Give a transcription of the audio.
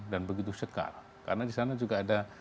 dan begitu segar karena disana juga ada